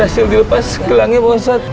berhasil dilepas gelangnya pak ustadz